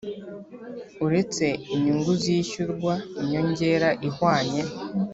Uretse inyungu zishyurwa inyongera ihwanye